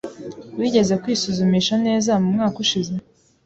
Wigeze kwisuzumisha neza mu mwaka ushize?